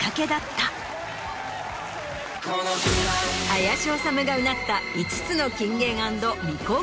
林修がうなった５つの。